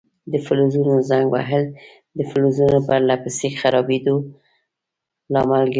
د فلزونو زنګ وهل د فلزونو پر له پسې خرابیدو لامل ګرځي.